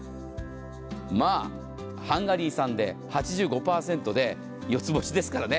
ハンガリー産で８５％で四つ星ですからね。